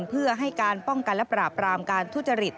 เพื่อให้การป้องกันและปราบรามการทุจริต